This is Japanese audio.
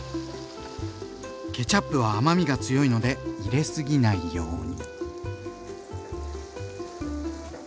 ケチャップは甘みが強いので入れすぎないように。